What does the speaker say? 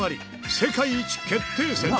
世界一決定戦。